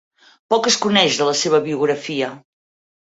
Poc es coneix de la seva biografia.